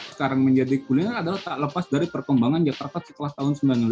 sekarang menjadi kuliner adalah tak lepas dari perkembangan jakarta setelah tahun seribu sembilan ratus lima puluh